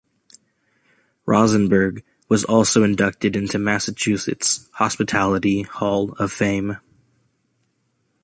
Rosenberg was also inducted into Massachusetts Hospitality Hall of Fame.